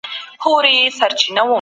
تاسي تل د خپلي روغتیا دعا کوئ.